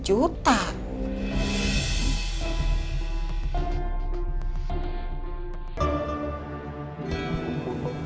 masih ada yang mau ngomongin